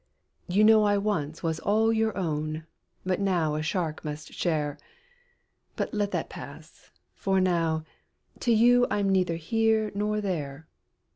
"You know I once was all your own, But now a shark must share! But let that pass for now, to you I'm neither here nor there."